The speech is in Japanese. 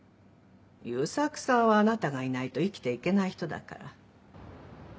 悠作さんはあなたがいないと生きていけない人だから。